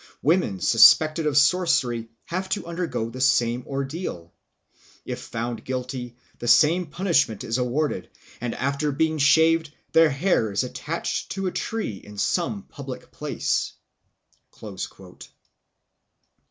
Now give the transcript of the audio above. ... Women suspected of sorcery have to undergo the same ordeal; if found guilty, the same punishment is awarded, and after being shaved, their hair is attached to a tree in some public place."